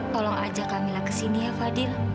tolong ajak camilla ke sini ya fadil